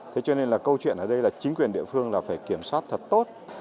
thế cho nên là câu chuyện ở đây là chính quyền địa phương là phải kiểm soát thật tốt